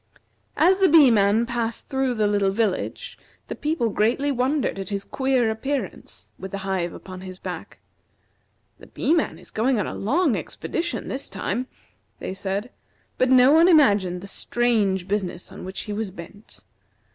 As the Bee man passed through the little village the people greatly wondered at his queer appearance, with the hive upon his back. "The Bee man is going on a long expedition this time," they said; but no one imagined the strange business on which he was bent.